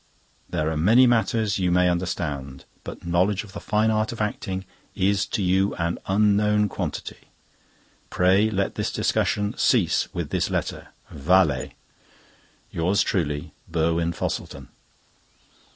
There are many matters you may understand, but knowledge of the fine art of acting is to you an unknown quantity. "Pray let this discussion cease with this letter. Vale! Yours truly, "BURWIN FOSSELTON."